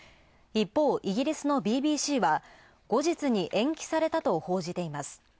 一方、イギリスのＢＢＣは後日に延期されたと報じています。